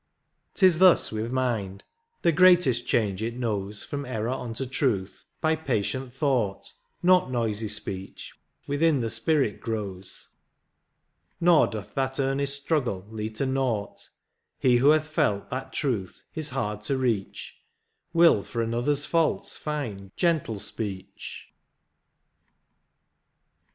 T is thus with mind, the greatest change it knows From error unto truth, by patient thought, Not noisy speech, within the spirit grows ; Nor doth that earnest struggle lead to naught, He who hath felt that truth is hard to reach, Will for another's faults find gentle speech.